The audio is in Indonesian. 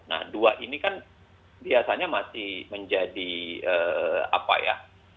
nah dua ini kan biasanya masih